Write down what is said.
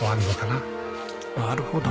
なるほど。